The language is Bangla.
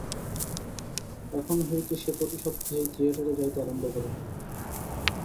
এখন হইতে সে প্রতি সপ্তাহেই থিয়েটারে যাইতে আরম্ভ করিল।